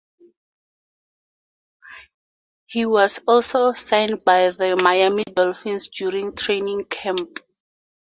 He was also signed by the Miami Dolphins during training camp.